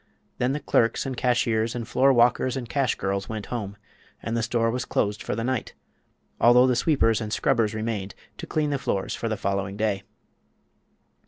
Then the clerks and cashiers and floorwalkers and cash girls went home and the store was closed for the night, although the sweepers and scrubbers remained to clean the floors for the following day.